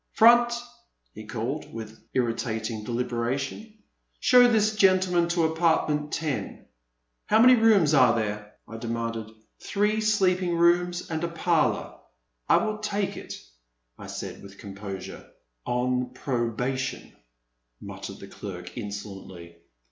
Front!" he called with irritating delibera tion, "show this gentleman to apartment ten." *' How many rooms are there !" I demanded. *' Three sleeping rooms and a parlor." " I will take it," I said with composure. 0n probation," muttered the clerk insolently.